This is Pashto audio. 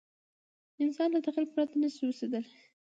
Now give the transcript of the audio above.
انسان له تخیل پرته نه شي اوسېدای.